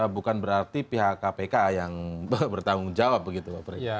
bukan berarti pihak kpk yang bertanggung jawab begitu pak fred